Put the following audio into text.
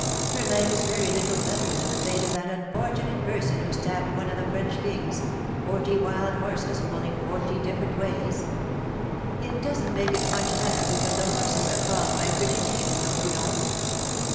Her life is very little better than the fate of that unfortunate person who stabbed one of the French Kings — forty wild horses pulling forty different ways. It doesn't make it much better because the horses are called by pretty names, don^t you know.